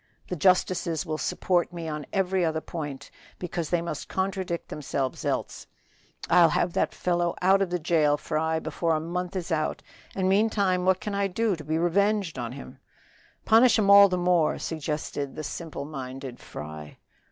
The justices will support me on every other point, because they must contradict themselves else. I'll have that fellow out of the jail, Fry, before a month is out, and meantime what can I do to be revenged on him?" "Punish 'em all the more," suggested the simple minded Fry.